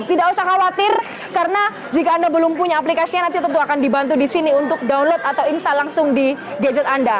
tidak usah khawatir karena jika anda belum punya aplikasinya nanti tentu akan dibantu di sini untuk download atau install langsung di gadget anda